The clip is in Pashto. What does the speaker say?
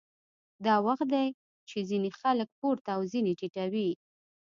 دا وخت دی چې ځینې خلک پورته او ځینې ټیټوي